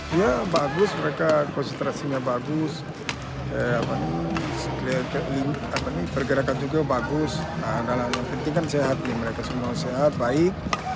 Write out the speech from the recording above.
dia bagus mereka konsentrasinya bagus bergerakan juga bagus yang penting kan sehat mereka semua sehat baik